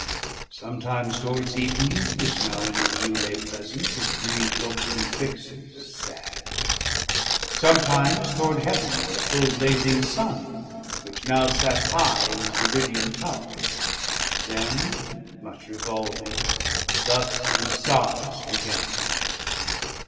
Sometimes towards Eden which now in his view Lay pleasant, his grievd look he fixes sad, Sometimes towards Heav'n and the full blazing Sun, Which now sat high in his Meridian Towre: 30 Then much revolving, thus in sighs began.